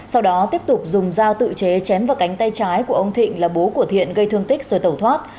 sau đó tiếp tục dùng dao tự chế chém vào cánh tay trái của ông thịnh là bố của thiện gây thương tích rồi tẩu thoát